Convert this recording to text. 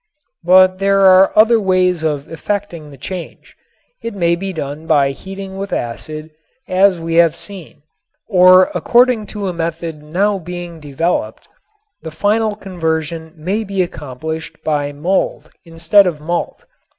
But there are other ways of effecting the change. It may be done by heating with acid as we have seen, or according to a method now being developed the final conversion may be accomplished by mold instead of malt.